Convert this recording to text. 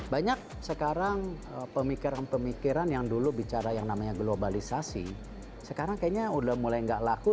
banyak sekarang pemikiran pemikiran yang dulu bicara yang namanya globalisasi sekarang kayaknya udah mulai nggak laku